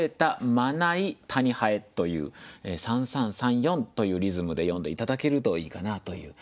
「まない」「たに蠅」という三三三四というリズムで読んで頂けるといいかなという。